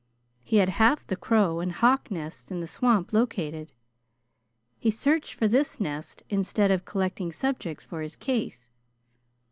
He had half the crow and hawk nests in the swamp located. He searched for this nest instead of collecting subjects for his case.